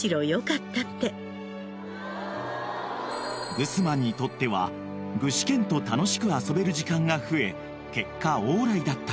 ［グスマンにとっては具志堅と楽しく遊べる時間が増え結果オーライだったよう］